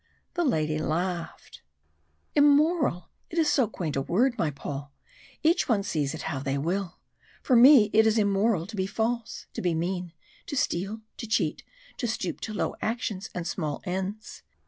The lady laughed. "Immoral! It is so quaint a word, my Paul! Each one sees it how they will. For me it is immoral to be false, to be mean, to steal, to cheat, to stoop to low actions and small ends.